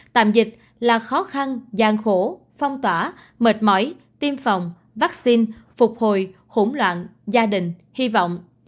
tạm dịch là khó khăn gian khổ phong tỏa mệt mỏi tiêm phòng vaccine phục hồi hỗn loạn gia đình hy vọng